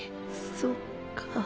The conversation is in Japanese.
そっか。